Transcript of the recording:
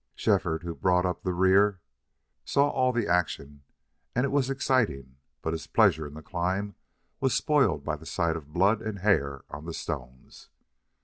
Shefford, who brought up the rear, saw all the action, and it was exciting, but his pleasure in the climb was spoiled by sight of blood and hair on the stones.